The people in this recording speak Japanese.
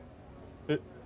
えっ？